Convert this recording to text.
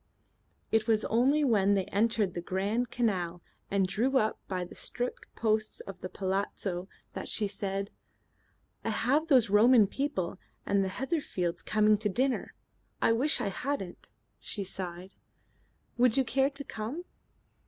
It was only when they entered the Grand Canal and drew up by the striped posts of the palazzo that she said: "I have those Roman people and the Heatherfields coming to dinner. I wish I hadn't." She sighed. "Would you care to come?"